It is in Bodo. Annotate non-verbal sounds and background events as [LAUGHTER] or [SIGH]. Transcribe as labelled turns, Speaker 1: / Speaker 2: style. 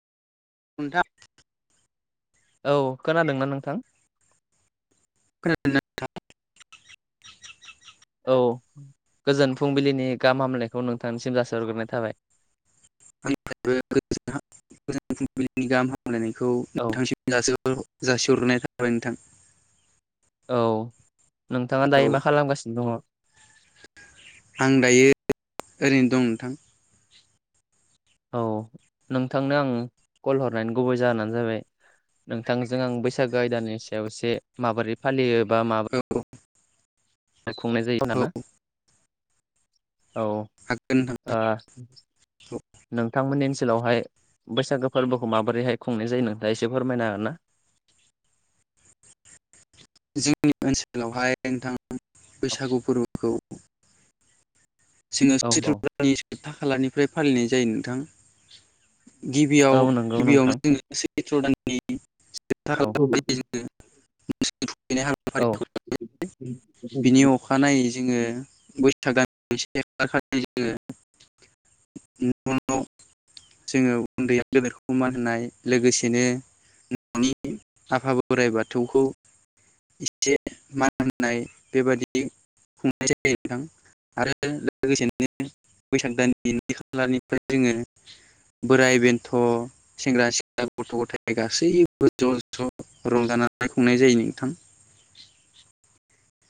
Speaker 1: खुनथा
Speaker 2: औ खोनादोंना नोंथां
Speaker 1: नोंथां
Speaker 2: औ गोजोन फुंबिलिनि गाहाम हामलायनायखौ नोंथांनिसिम जासिहरग्रोनाय थाबाय
Speaker 1: [UNINTELLIGIBLE] नायखौ
Speaker 2: औ
Speaker 1: नोंथांसिम जासिहरग्रोनाय थाबाय नोंथां
Speaker 2: औ नोंथाङा
Speaker 1: औ
Speaker 2: दायो मा खालामगासिनो दङ
Speaker 1: आं दायो ओरैनो दं नोंथां
Speaker 2: औ नोंथांनो आं कल हरनायनि गुबै जाहोनानो जाबाय नोंथांजों आं बैसागो आयदानि सायाव एसे माबोरै फालियो बा मा
Speaker 1: औ
Speaker 2: खुंनाय जायो
Speaker 1: औ
Speaker 2: दाना औ
Speaker 1: हागोन नोंथां औ
Speaker 2: नोंथांमोननि ओन ओनसोलावहाय बैसागो फोरबोखौ माबोरैहाय खुंनाय जायो नोंथाङा दा एसे फोरमायनो हागोन ना? [INAUDIBLE]
Speaker 1: जोंनि ओनसोलावहाय नोंथां बैसागु फोरबोखौ जोङो
Speaker 2: औ औ
Speaker 1: सैत्र दाननि जोबथा खालानिफ्राय फालिनाय जायो नोंथां गिबियाव
Speaker 2: औ नंगौ नोंथां
Speaker 1: गिबियावनो जोङो सैत्र दाननि [UNINTELLIGIBLE]
Speaker 2: औ
Speaker 1: जोङो [UNINTELLIGIBLE]
Speaker 2: औ
Speaker 1: बिनि अखानायै जोङो बैसाग दाननि से खालारखालि जोङो [UNINTELLIGIBLE] जोङो उनदैया गेदेरखौ मान होनाय लोगोसेनो न'नि आफा बोराइ बाथौखौ एसे मान होननाय बेबादि खुंनाय जायो ओनथां [INAUDIBLE] आरो लोगोसेनो बैसाग दाननि नै खालारनिफ्राय जोङो बोराय बेन्थ' सेंग्रा सिख्ला गथ' गथाय गासैबो ज' ज' रंजानानै खुंनाय जायो नोंथां।